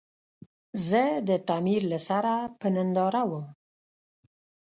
زه د تعمير له سره په ننداره ووم.